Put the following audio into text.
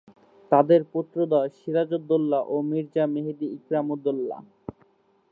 তাদের পুত্রদ্বয় সিরাজউদ্দৌল্লা ও মির্জা মেহেদী ইকরামউদ্দৌলা।